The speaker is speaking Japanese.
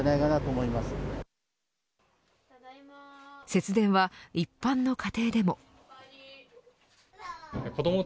節電は一般の家庭でも。